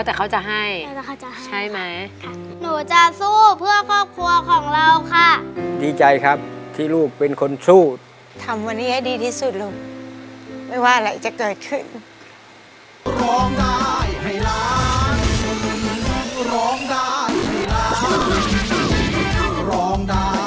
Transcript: ทำวันนี้ให้ดีที่สุดลูกไม่ว่าอะไรจะเกิดขึ้น